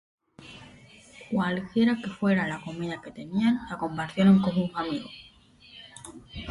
Cualquiera que fuera la comida que tenían, la compartieron con sus amigos.